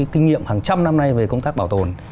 kinh nghiệm hàng trăm năm nay về công tác bảo tồn